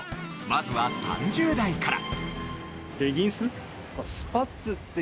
まずは３０代から。